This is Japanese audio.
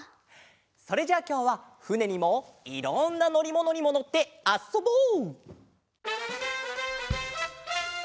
それじゃあきょうはふねにもいろんなのりものにものってあっそぼう！